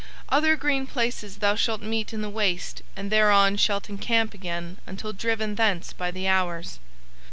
"Other green places thou shalt meet in the Waste and thereon shalt encamp again until driven thence by the hours.